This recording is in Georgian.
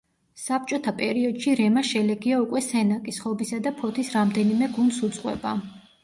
საბჭოთა პერიოდში რემა შელეგია უკვე სენაკის, ხობისა და ფოთის რამდენიმე გუნდს უძღვება.